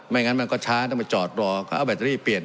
ไม่อย่างนั้นมันก็ชาร์จต้องไปจอดรอเอาแบตเตอรี่เปลี่ยน